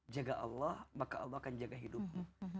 jaga allah maka allah akan jaga hidupmu